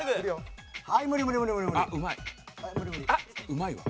うまいわ。